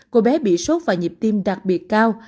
cô bé bị sốt và nhịp tim đặc biệt cao